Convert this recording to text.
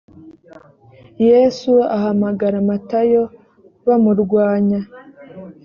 yesu ahamagara matayo bamurwanya